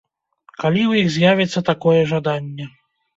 Калі ў іх з'явіцца такое жаданне.